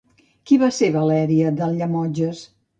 Qui va ser Valeria de Llemotges?